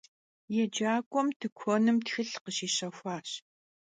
Yêcak'uem tıkuenım txılh khışişexuaş.